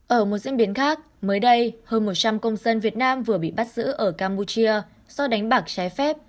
ở một diễn biến khác mới đây hơn một trăm linh công dân việt nam vừa bị bắt giữ ở campuchia do đánh bạc trái phép